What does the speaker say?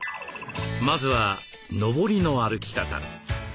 まずはのぼりの歩き方。